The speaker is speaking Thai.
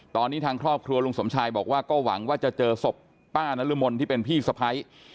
ตอนนี้ทางครอบครัวลุงสมชายบอกว่าก็หวังว่าจะเจอศพป้านรมนที่เป็นพี่สะพ้าย